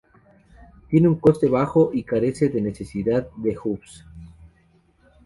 Tiene un coste bajo y carece de la necesidad de hubs.